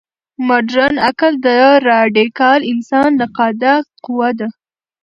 مډرن عقل د راډیکال انسان نقاده قوه ده.